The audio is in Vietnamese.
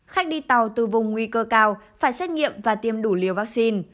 khách đi tàu từ vùng nguy cơ cao phải xét nghiệm và tiêm đủ liều vaccine